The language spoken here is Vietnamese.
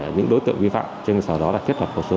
những đối tượng vi phạm cho nên sau đó là kết hợp hồ sơ